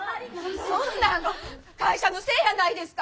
そんなん会社のせいやないですか！